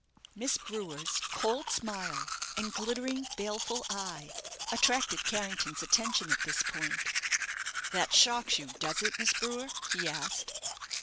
Miss Brewer's cold smile, and glittering, baleful eye, attracted Carrington's attention at this point. "That shocks you, does it, Miss Brewer?" he asked.